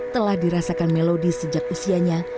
telah dirasakan melodi sejak usianya